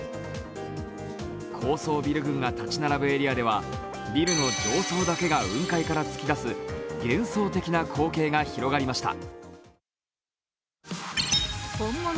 高層ビル群が建ち並ぶエリアではビルの上層だけが雲海から突き出す幻想的な光景が広がりました。